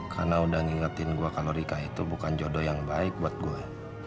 karena udah ngingetin gue kalau rika itu bukan jodoh yang baik buat gue